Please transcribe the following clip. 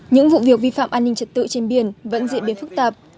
những vụ việc vi phạm an ninh trật tự trên biển vẫn diễn biến phức tạp